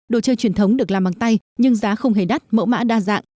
đồ chơi truyền thống được làm bằng tay nhưng giá không hề đắt mẫu mã đa dạng